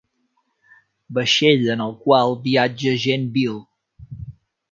Vaixell en el qual viatja gent vil.